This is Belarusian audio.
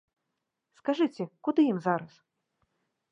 Скажыце, куды ім зараз?